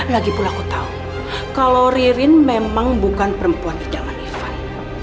lagipula aku tahu kalau ririn memang bukan perempuan di jalan ivan